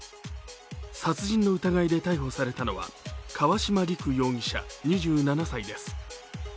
殺人の疑いで逮捕されたのは川島陸容疑者２７歳です。